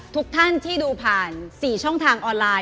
ทุกท่านที่ดูผ่าน๔ช่องทางออนไลน์